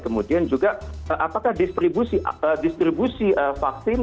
kemudian juga apakah distribusi vaksin